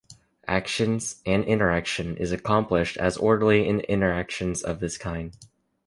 Action and interaction is accomplished as orderly in interactions of this kind.